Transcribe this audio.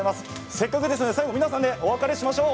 せっかくですので、最後皆さんでお別れしましょう。